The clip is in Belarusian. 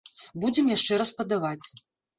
Будзем яшчэ раз падаваць.